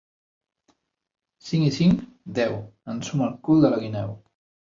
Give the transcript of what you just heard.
Cinc i cinc? / —Deu. / —Ensuma el cul de la guineu!